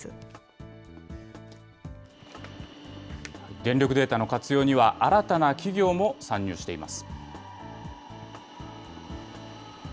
電力データの活用には、新たな企業も参入しています。